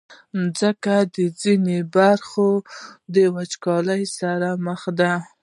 د مځکې ځینې برخې د وچکالۍ سره مخ دي.